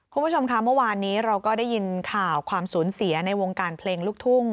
คุณผู้ชมค่ะเมื่อวานนี้เราก็ได้ยินข่าวความสูญเสียในวงการเพลงลูกทุ่ง